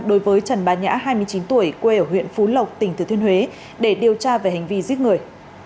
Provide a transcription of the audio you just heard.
đối với trần bà nhã hai mươi chín tuổi quê ở huyện phú lộc tỉnh thừa thiên huế để điều tra về hành vi giết người